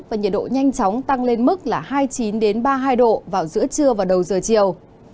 và nhiệt độ nhanh chóng tăng lên mức là hai mươi chín ba mươi hai độ vào giữa trưa và đầu giờ chiều